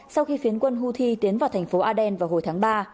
sau khi phiến quân houthi tiến vào thành phố aden vào hồi tháng ba